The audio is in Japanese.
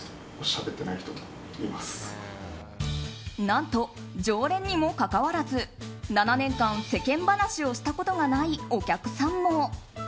何と常連にもかかわらず７年間、世間話をしたことがないお客さんも。